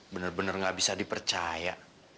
benar benar nggak bisa dipercaya